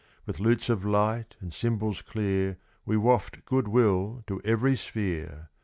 With lutes of light and cymbals clear We waft goodwill to every sphere.